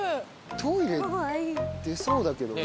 トイレ出そうだけどな。